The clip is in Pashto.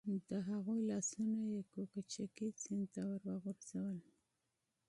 د هغوی لاسونه یې د کوکچې سیند ته ور وغورځول.